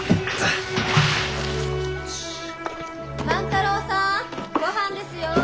・万太郎さんごはんですよ！